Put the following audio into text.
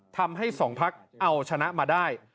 ทำให้๒พักเอาชนะมาได้